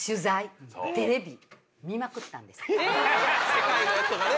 世界のやつとかね